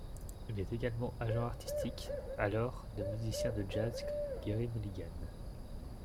Il est également agent artistique alors de musiciens de jazz comme Gerry Mulligan.